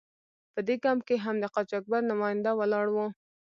په دې کمپ کې هم د قاچاقبر نماینده ولاړ و.